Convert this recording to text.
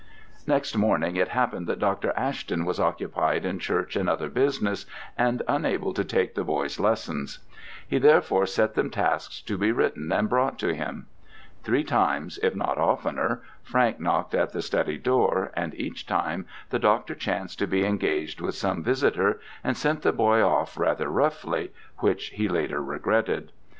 Next morning it happened that Dr. Ashton was occupied in church and other business, and unable to take the boys' lessons. He therefore set them tasks to be written and brought to him. Three times, if not oftener, Frank knocked at the study door, and each time the doctor chanced to be engaged with some visitor, and sent the boy off rather roughly, which he later regretted.